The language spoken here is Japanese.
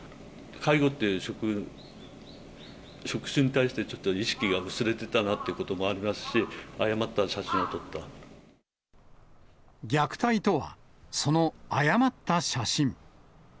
介護という職種に対して、ちょっと意識が薄れてたなということもありますし、誤った写真を虐待とは、その誤った写真。